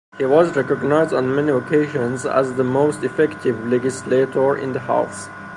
He was recognized on many occasions as the most effective legislator in the House.